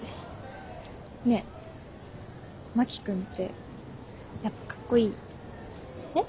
ねえ真木君ってやっぱかっこいい？え。